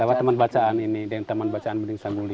lewat teman bacaan ini dan teman bacaan mending sambuli